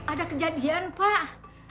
ada kejadian pak